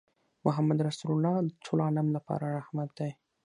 محمدُ رَّسول الله د ټول عالم لپاره رحمت دی